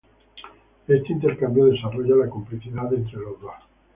Este intercambio desarrolla la complicidad entre los dos.